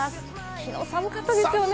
きのう寒かったですよね。